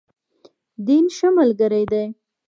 دین، ښه ملګری دی.